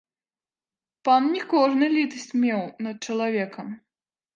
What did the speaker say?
Пан не кожны літасць меў над чалавекам.